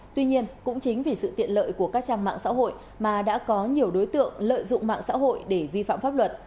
tuy nhiên cũng chính vì sự tiện lợi của các trang mạng xã hội mà đã có nhiều đối tượng lợi dụng mạng xã hội để vi phạm pháp luật